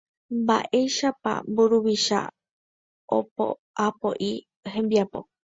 Mba'éichapa mburuvicha o'apo'i hembiapo